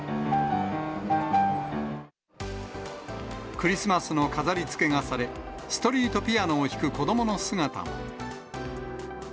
クリスマスの飾りつけがされ、ストリートピアノを弾く子どもの姿も。